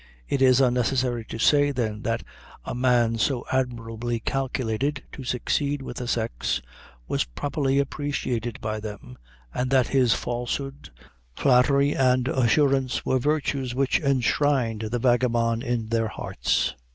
It is unnecessary to say, then, that a man so admirably calculated to succeed with the sex, was properly appreciated by them, and that his falsehood, flattery, and assurance were virtues which enshrined the vagabond in their hearts.